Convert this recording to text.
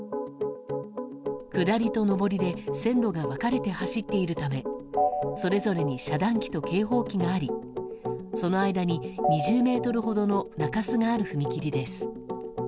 下りと上りで線路が分かれて走っているためそれぞれに遮断機と警報機がありその間に２０ｍほどの中洲がある踏切です。